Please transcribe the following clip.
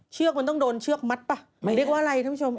เชือกมันต้องโดนเชือกมัดป่ะเรียกว่าอะไรท่านผู้ชม